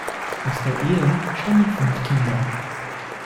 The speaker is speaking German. Aus der Ehe stammen fünf Kinder.